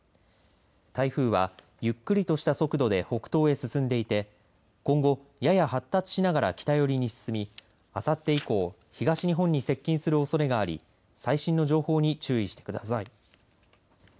台風は、ゆっくりとした速度で北東へ進んでいて今後、やや発達しながら北寄りに進みあさって以降東日本に接近するおそれがあり最新の情報に注意してください。